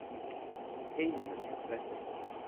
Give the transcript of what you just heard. Heyneman left it.